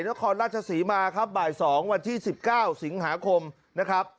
นครราชศรีมาครับบ่ายสองวันที่สิบเก้าสิงหาคมนะครับ